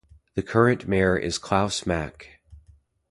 The current mayor is Klaus Mack.